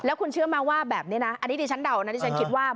แล้วคุณเชื่อมาว่าแบบเนี้ยนะอันนี้ที่ฉันเดานะอันนี้ฉันคิดว่า